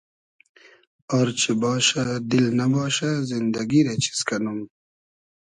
آر چی باشۂ دیل نئباشۂ زیندئگی رۂ چیز کئنوم